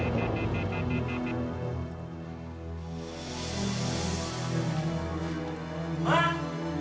hah loh gak usah lah pak